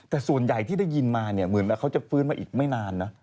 แต่ส่วนใหญ่ที่ได้ยินมาเนี่ยเหมือนแบบเขาจะฟื้นมาอีกไม่นานนะ